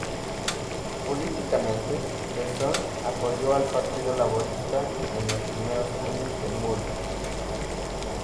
Políticamente, "The Sun" apoyó al Partido Laborista en los primeros años de Murdoch.